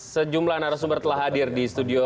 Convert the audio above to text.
sejumlah narasumber telah hadir di studio